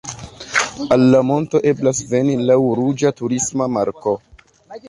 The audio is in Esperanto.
Al la monto eblas veni laŭ ruĝa turisma marko.